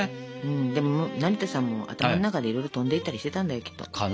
でも成田さんも頭の中でいろいろ飛んでいったりしてたんだよきっと。かな。